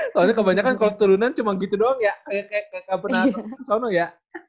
soalnya kebanyakan kalau turunan cuma gitu doang ya kayak ke benar benar kesana ya